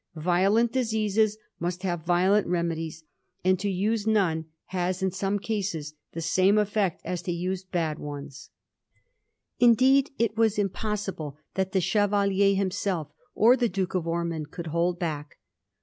Violent diseases must have violent remedies, and to xise none has, in some cases, the same effect as to use bad ones.' Indeed, it was impossible that the Chevalier himself or the Duke of Ormond could hold back.